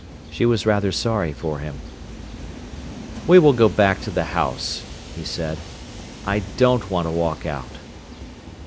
She was rather sorry for him. "We will go back to the house," he said. "I don't want to walk out."